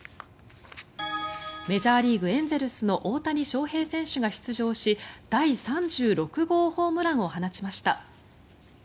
メジャーリーグ、エンゼルスの大谷翔平選手が出場し第３６号ホームランを放ちました。